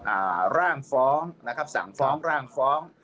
อ่าร่างฟ้องนะครับสั่งฟ้องร่างฟ้อง